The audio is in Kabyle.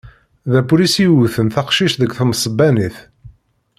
D apulis i yewten taqcict deg temesbanit.